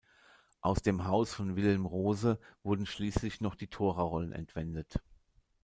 Aus dem Haus von Wilhelm Rose wurden schließlich noch die Thora-Rollen entwendet.